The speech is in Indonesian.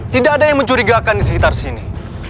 tidak ada yang mencurigakan di sekitar sini